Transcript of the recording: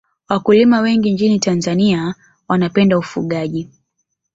Wakulima wengi nchini tanzania wanapenda ufugaji